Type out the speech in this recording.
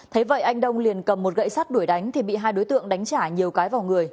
thế vậy anh đông liền cầm một gậy sắt đuổi đánh thì bị hai đối tượng đánh trả nhiều cái vào người